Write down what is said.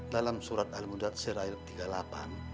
dalam surat al mu'dad surat ayat ke tiga puluh delapan